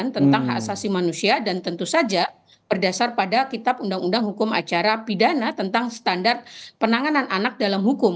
tentang hak asasi manusia dan tentu saja berdasar pada kitab undang undang hukum acara pidana tentang standar penanganan anak dalam hukum